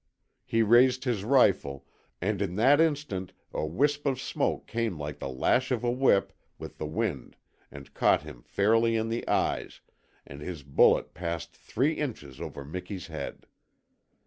He raised his rifle, and in that instant a wisp of smoke came like the lash of a whip with the wind and caught him fairly in the eyes, and his bullet passed three inches over Miki's head.